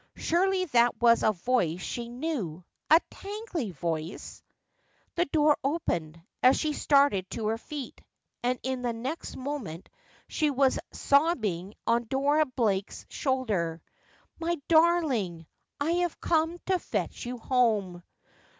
Surely that was a voice she knew — a Tangley voice 1 The door opened as she started to her feet, and in the next moment she was sobbing on Dora Blake's shoulder. ' My darling, I have come to fetch you home.'